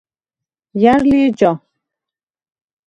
ჲა̈რ ლი ეჯა?